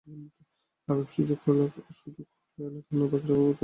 আফিফ: সুযোগ হলে কেন না! বাকি সবার মতো আমিও তিন সংস্করণের ক্রিকেটার হতে চাই।